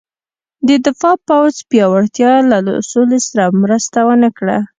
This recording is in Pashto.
د دفاع پوځ پیاوړتیا له سولې سره مرسته ونه کړه.